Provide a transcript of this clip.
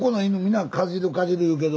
皆かじるかじる言うけど。